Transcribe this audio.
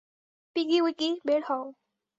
পিগি-উইগি, বের হও।